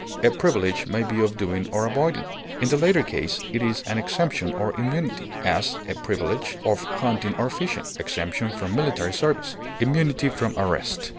A privilege may be of doing or avoiding; in the latter case it is an exemption or immunity; as, a privilege of hunting or fishing; exemption from military service; immunity from arrest.